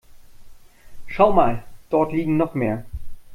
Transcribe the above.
Schau mal, dort liegen noch mehr.